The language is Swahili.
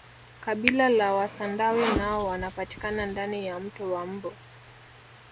kabila la wasandawe nao wanapatikana ndani ya mto wa mbu